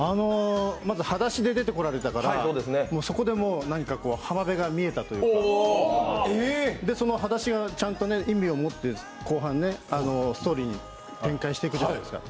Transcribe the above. まずはだしで出てこられたから、そこでもう浜辺が見えたというかそのはだしがちゃんと意味を持って後半ストーリーに展開していくじゃないですか。